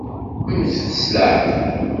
Mmtet s leɛqel!